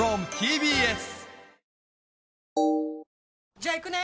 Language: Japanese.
じゃあ行くね！